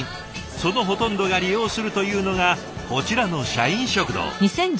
そのほとんどが利用するというのがこちらの社員食堂。